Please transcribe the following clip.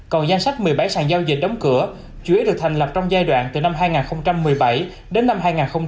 còn danh sách một mươi bảy sàn giao dịch đóng cửa chủ yếu được thành lập trong giai đoạn từ năm hai nghìn một mươi bảy đến năm hai nghìn một mươi bảy